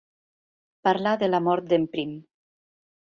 Parlar de la mort d'en Prim.